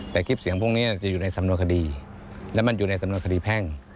แต่คลิปเสียงพวกนี้จะอยู่ในสำนวนคดีและมันอยู่ในสำนวนคดีแพ่ง